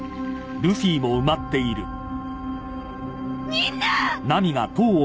みんなッ！